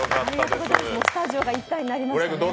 スタジオが一体になりましたね。